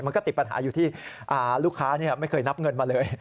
มันก็ติดปัญหาอยู่ที่ลูกค้าไม่เคยนับเงินมาเลย